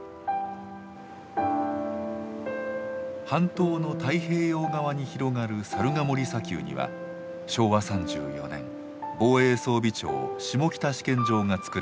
半島の太平洋側に広がる猿ヶ森砂丘には昭和３４年防衛装備庁下北試験場が造られました。